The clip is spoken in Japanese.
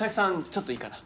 ちょっといいかな？